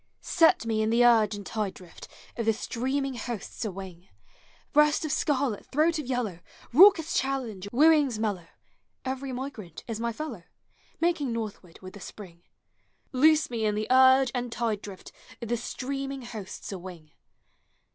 Set me in the urge and tide drift Of the streaming hosts awing! Hreast of scarlet, throat of yellow, Itaucous challenge, wooings mellow — Every migrant is my fellow, Making northward with the spring. Loose me in the urge and tide drift Of the streaming hosts a wing!